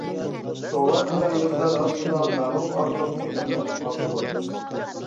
چوڭلار بىلەن ياشلار ئارىسىدا مەلۇم ئارىلىق شەكىللىنىپ قاپتۇ.